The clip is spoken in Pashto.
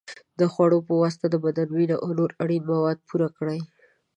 د خوړو په واسطه د بدن وینه او نور اړین مواد پوره کړئ.